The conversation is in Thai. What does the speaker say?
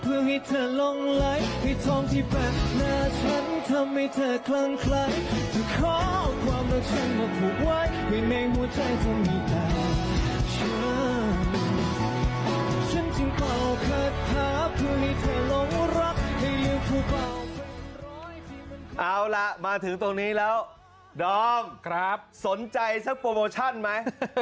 เอาล่ะมาถึงตรงนี้แล้วดอมครับสนใจสักโปรโมชั่นไหม